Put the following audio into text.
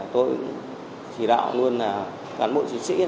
tôi chỉ đạo luôn là cán bộ chiến sĩ